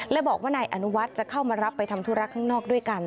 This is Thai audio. และบอกว่านายอนุวัฒน์จะเข้ามารับไปทำธุระข้างนอกด้วยกัน